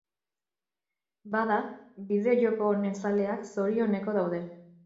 Bada, bideo-joko honen zaleak zorioneko daude.